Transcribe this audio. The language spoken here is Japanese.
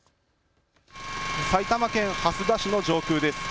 埼玉県蓮田市の上空です。